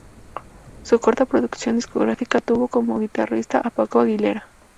Su corta producción discográfica tuvo como guitarrista a Paco Aguilera.